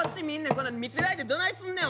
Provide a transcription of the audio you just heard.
こんな見せられてどないすんねん？